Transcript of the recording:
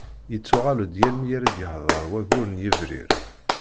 Yettuɣal-d yal mi ara d-yeḥḍer waggur n yebrir.